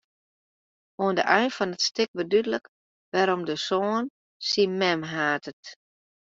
Oan de ein fan it stik wurdt dúdlik wêrom de soan syn mem hatet.